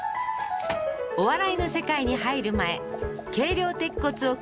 お笑いの世界に入る前軽量鉄骨を組む職人として